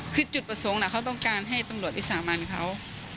คือจุดประสงค์เขาต้องการให้ตำรวจวิสามันเขา